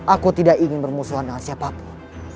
aku tidak ingin bermusuhan dengan siapapun